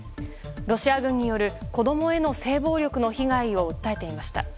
ロシア軍による子供への性暴力の被害を訴えていました。